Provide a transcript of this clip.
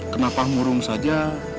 kenapa murung saja